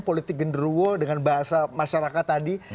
politik gender war dengan bahasa masyarakat tadi